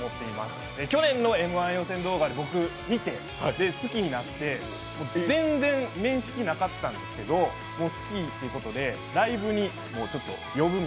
去年、「Ｍ−１」予選動画を僕見て、好きになって全然面識なかったんですけど好きということで、ライブにも。